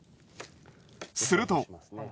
すると。